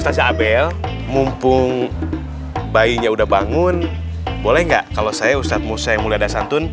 ustaz abel mumpung bayinya udah bangun boleh nggak kalau saya ustadz musayyid mulia dasantun